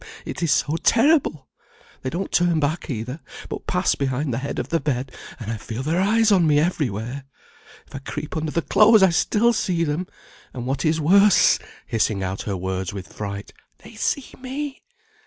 it is so terrible! They don't turn back either, but pass behind the head of the bed, and I feel their eyes on me everywhere. If I creep under the clothes I still see them; and what is worse," hissing out her words with fright, "they see me.